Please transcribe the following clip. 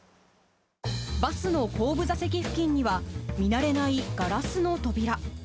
バスの後部座席付近には見慣れないガラスの扉。